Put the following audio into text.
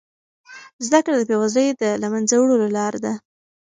زده کړه د بې وزلۍ د له منځه وړلو لاره ده.